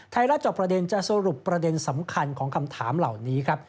รับจอบประเด็นจะสรุปประเด็นสำคัญของคำถามเหล่านี้ครับ